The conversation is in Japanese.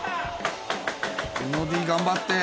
宇野Ｄ、頑張って。